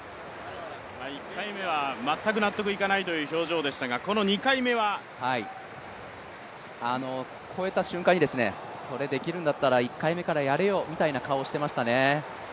１回目は全く納得いかないという表情でしたが、越えた瞬間に、それできるんだったら１回目からやれよみたいな顔してましたね。